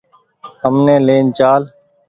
همني لين چآل۔